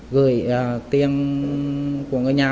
gửi tiền của người nhà